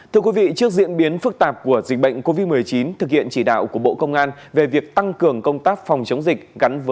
trước diễn biến phức tạp của dịch bệnh covid một mươi chín thực hiện chỉ đạo của bộ công an